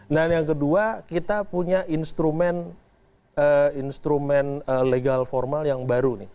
dan yang kedua kita punya instrumen legal formal yang baru nih